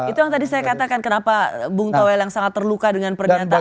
itu yang tadi saya katakan kenapa bung towel yang sangat terluka dengan pernyataan